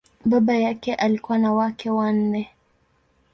Baba yake alikuwa na wake wanne.